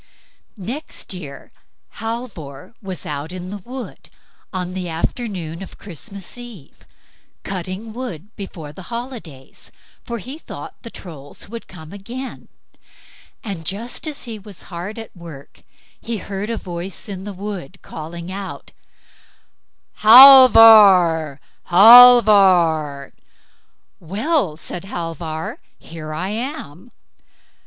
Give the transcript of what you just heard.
Next year Halvor was out in the wood, on the afternoon of Christmas Eve, cutting wood before the holidays, for he thought the Trolls would come again; and just as he was hard at work, he heard a voice in the wood calling out: "Halvor! Halvor!" "Well", said Halvor, "here I am."